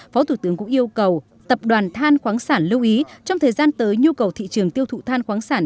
phó thủ tướng cũng yêu cầu tập đoàn than khoáng sản lưu ý trong thời gian tới nhu cầu thị trường tiêu thụ than khoáng sản